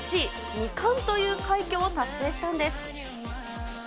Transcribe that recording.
２冠という快挙を達成したんです。